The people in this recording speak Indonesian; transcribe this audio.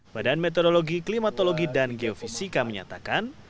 badan meteorologi klimatologi dan geofisika menyatakan